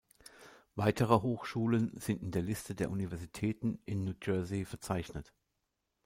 Weitere Hochschulen sind in der Liste der Universitäten in New Jersey verzeichnet.